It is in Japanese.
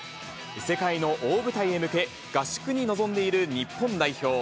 世界の大舞台へ向け、合宿に臨んでいる日本代表。